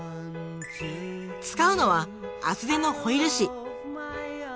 使うのは厚手のホイル紙。